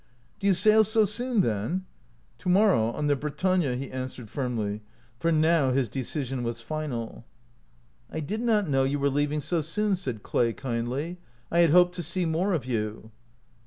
" Do you sail so soon, then? "" To morrow, on the" ' Bretagne,' " he an swered, firmly, for now his decision was final. "I did not know you were leaving so 192 OUT OF BOHEMIA soon," said Clay, kindly. " I had hoped to see more of you."